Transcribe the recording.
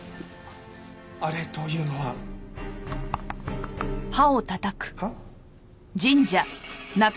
あれというのは？は？